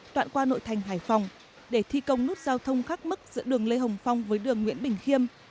đoạn qua nội thành hải phòng để thi công nút giao thông khắc mức giữa đường lê hồng phong với đường nguyễn bình khiêm